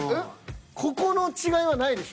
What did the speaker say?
ここの違いはないでしょ。